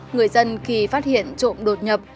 người dân khi phát hiện trộm đột nhập